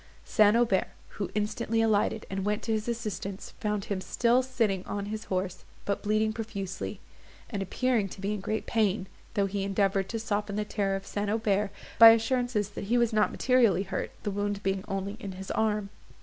St. Aubert, who instantly alighted and went to his assistance, found him still sitting on his horse, but bleeding profusely, and appearing to be in great pain, though he endeavoured to soften the terror of St. Aubert by assurances that he was not materially hurt, the wound being only in his arm.